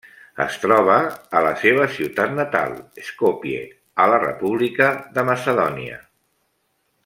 Es troba a la seva ciutat natal, Skopje, a la República de Macedònia.